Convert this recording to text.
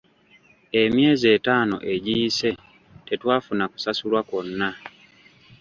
Emyezi etaano egiyise, tetwafuna kusasulwa kwonna.